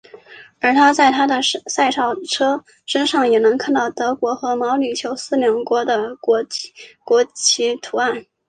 而在他的赛车车身上也能看到德国和毛里求斯两国的国旗图案。